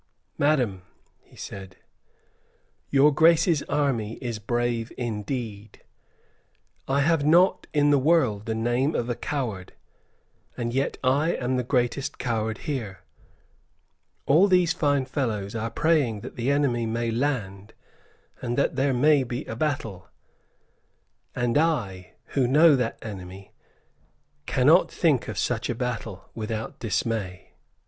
"Madam," he said, "Your Grace's army is brave indeed. I have not in the world the name of a coward, and yet I am the greatest coward here. All these fine fellows are praying that the enemy may land, and that there may be a battle; and I, who know that enemy well, cannot think of such a battle without dismay."